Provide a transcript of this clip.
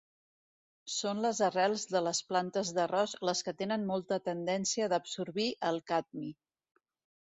Són les arrels de les plantes d’arròs les que tenen molta tendència d’absorbir el cadmi.